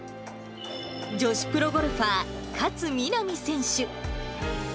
女子プロゴルファー、勝みなみ選手。